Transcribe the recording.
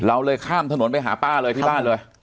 เราเลยข้ามถนนไปหาป้าเลยที่บ้านเลย